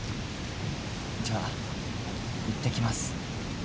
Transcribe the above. じゃあいってきます。